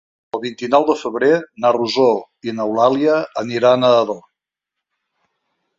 El vint-i-nou de febrer na Rosó i n'Eulàlia aniran a Ador.